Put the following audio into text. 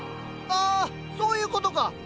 あっそういうことか。